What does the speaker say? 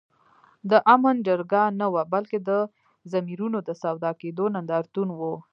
د آمن جرګه نه وه بلکي د ضمیرونو د سودا کېدو نندارتون وو